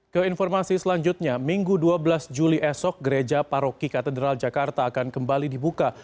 ke informasi selanjutnya minggu dua belas juli esok gereja paroki katedral jakarta akan kembali dibuka